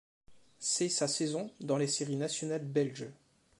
C'est sa saison dans les séries nationales belges.